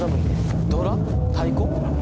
太鼓？